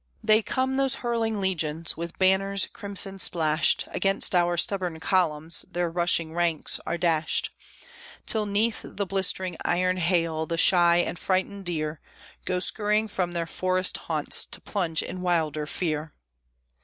They come, those hurling legions, with banners crimson splashed, Against our stubborn columns their rushing ranks are dashed, Till 'neath the blistering iron hail the shy and frightened deer Go scurrying from their forest haunts to plunge in wilder fear.